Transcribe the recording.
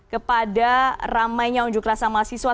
kepada ramainya unjuk rasa mahasiswa